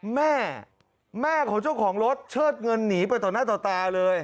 แม่แม่ของเจ้าของรถเชิดเงินหนีไปต่อหน้าต่อตาเลย